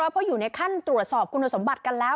เพราะอยู่ในขั้นตรวจสอบคุณสมบัติกันแล้ว